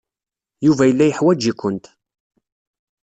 Yuba yella yeḥwaj-ikent.